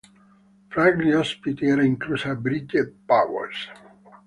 Fra gli ospiti era inclusa Bridget Powers.